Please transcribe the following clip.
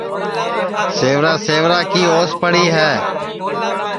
سیورا سیورا کی اوس پڑی ہے